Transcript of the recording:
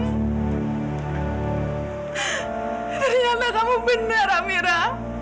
ternyata kamu bener amira